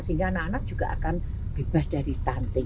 sehingga anak anak juga akan bebas dari stunting